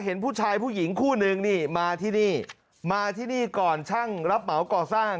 เห็นผู้ชายผู้หญิงคู่นึงนี่มาที่นี่มาที่นี่ก่อนช่างรับเหมาก่อสร้าง